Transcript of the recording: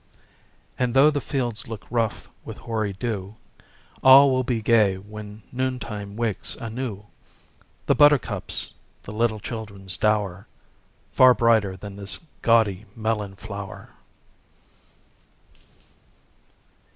And though the fields look rough with hoary dew, All will be gay when noontide wakes anew The buttercups, the little children's dower Far brighter than this gaudy melon flower!